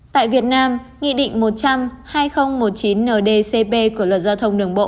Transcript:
tại việt nam nghị định một trăm linh hai nghìn một mươi chín ndcp của luật giao thông đường bộ